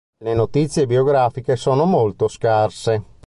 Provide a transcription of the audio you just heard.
Le notizie biografiche sono molto scarse.